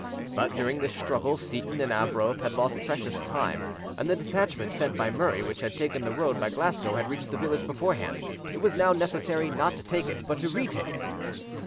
But during this struggle Seyton and Arbroath had lost precious time, and the detachment sent by Murray, which had taken the road by Glasgow, had reached the village beforehand; it was now necessary not to take it, but to retake it.